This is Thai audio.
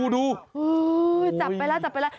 ดูจับไปแล้วจับไปแล้ว